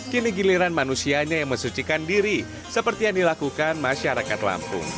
kini giliran manusianya yang mensucikan diri seperti yang dilakukan masyarakat lampung